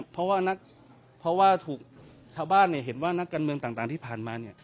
เพราะว่าเพราะว่าถูกชาวบ้านเห็นว่านักการเมืองต่างที่ผ่านมา